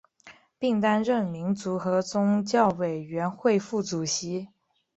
并担任民族和宗教委员会副主任。